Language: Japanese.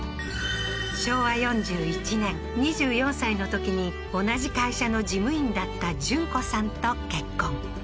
昭和４１年２４歳のときに同じ会社の事務員だった順子さんと結婚